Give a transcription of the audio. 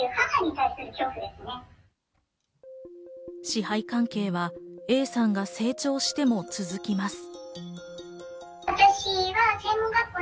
支配関係はＡさんが成長しても続きます。